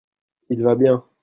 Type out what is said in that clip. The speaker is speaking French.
il va bien.